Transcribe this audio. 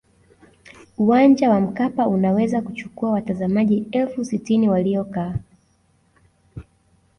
uwanja wa mkapa unaweza kuchukua watazamaji elfu sitini waliokaa